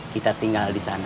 kita tinggal di sana